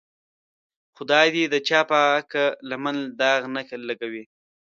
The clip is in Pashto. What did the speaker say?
خدای دې د چا پاکه لمن داغ نه لګوي.